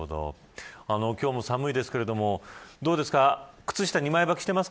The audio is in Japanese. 今日も寒いですけれどどうですか靴下２枚ばきしていますか。